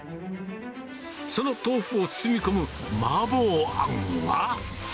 その豆腐を包み込む麻婆あんは。